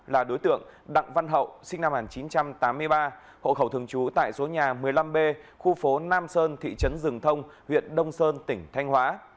là đối tượng đặng văn hậu sinh năm một nghìn chín trăm tám mươi ba hộ khẩu thường trú tại số nhà một mươi năm b khu phố nam sơn thị trấn rừng thông huyện đông sơn tỉnh thanh hóa